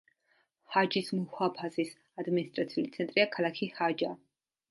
ჰაჯის მუჰაფაზის ადმინისტრაციული ცენტრია ქალაქი ჰაჯა.